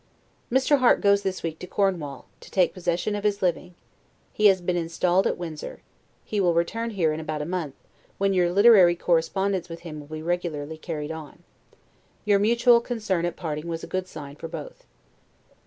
Mr. Harte goes this week to Cornwall, to take possession of his living; he has been installed at Windsor; he will return here in about a month, when your literary correspondence with him will be regularly carried on. Your mutual concern at parting was a good sign for both.